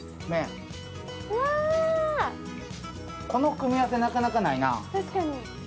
この組み合わせ、なかなかないな。